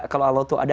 kalau allah itu ada